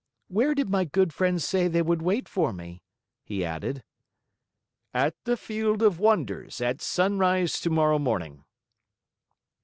"Where did my good friends say they would wait for me?" he added. "At the Field of Wonders, at sunrise tomorrow morning."